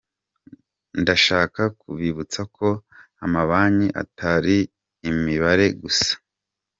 Ndashaka kubibutsa ko amabanki atari imibare gusa.